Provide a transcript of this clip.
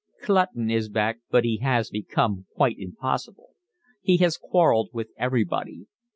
Clutton is back, but he has become quite impossible. He has quarrelled with everybody.